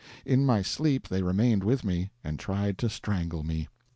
In my sleep they remained with me, and tried to strangle me.